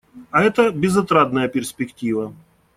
А это − безотрадная перспектива.